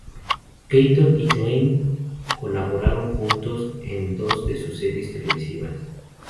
Keaton y Cline colaboraron juntos en dos de sus series Televisivas.